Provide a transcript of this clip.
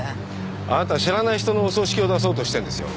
あなた知らない人のお葬式を出そうとしてんですよ。